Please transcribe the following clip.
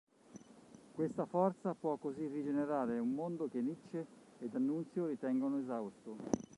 Questa forza può così rigenerare un mondo che Nietzsche e D'Annunzio ritengono esausto.